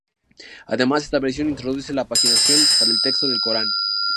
Además esta versión introduce la paginación para el texto del Corán.